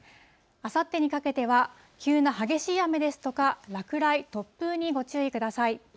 あさってにかけては、急な激しい雨ですとか、落雷、突風にご注意ください。